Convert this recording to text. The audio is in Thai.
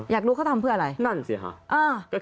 อยากรู้เขาทำเพื่ออะไรใช่ครับ